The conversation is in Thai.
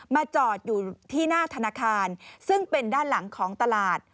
จอดอยู่ที่หน้าธนาคารซึ่งเป็นด้านหลังของตลาด